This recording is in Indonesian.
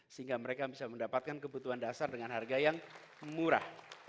sehingga mereka bisa mendapatkan kebutuhan dasar dengan harga yang murah